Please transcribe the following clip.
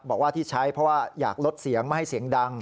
บอกว่าที่ใช้เพราะว่าอยากลดเสียงไม่ให้เสียงดัง